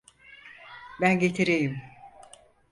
Ben getireyim.